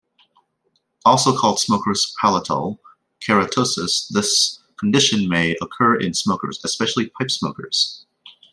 Also called smoker's palatal keratosis, this condition may occur in smokers, especially pipe smokers.